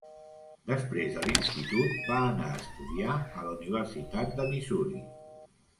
Després de l'institut, va anar a estudiar a la Universitat de Missouri.